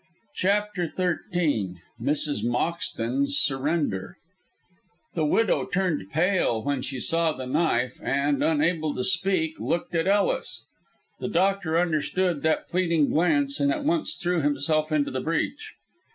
CHAPTER XIII MRS MOXTON'S SURRENDER The widow turned pale when she saw the knife, and, unable to speak, looked at Ellis. The doctor understood that pleading glance and at once threw himself into the breach.